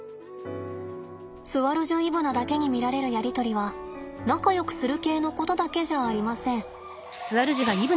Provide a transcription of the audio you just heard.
スアルジュイブナだけに見られるやり取りは仲よくする系のことだけじゃありません。